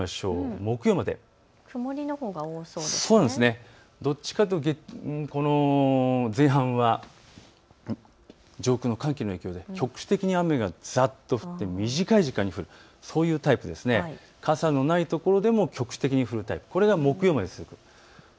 木曜まで前半は上空の寒気の影響で局地的に雨がざっと降って短い時間に降る、傘のないところでも局地的に降るタイプ、これが木曜までです。